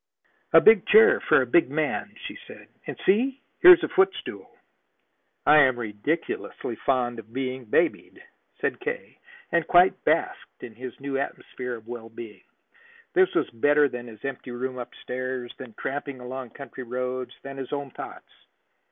"A big chair for a big man!" she said. "And see, here's a footstool." "I am ridiculously fond of being babied," said K., and quite basked in his new atmosphere of well being. This was better than his empty room upstairs, than tramping along country roads, than his own thoughts.